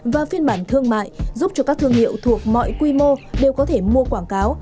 và phiên bản thương mại giúp cho các thương hiệu thuộc mọi quy mô đều có thể mua quảng cáo